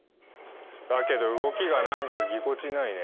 だけど動きがなんかぎこちないね。